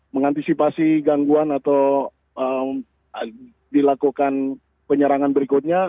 mengantisipasi gangguan atau dilakukan penyerangan berikutnya